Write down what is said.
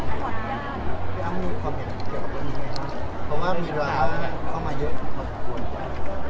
เพราะมีร้าครับเข้ามาเยอะกว่า